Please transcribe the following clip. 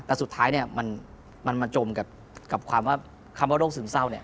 แต่สุดท้ายเนี่ยมันมาจมกับความว่าคำว่าโรคซึมเศร้าเนี่ย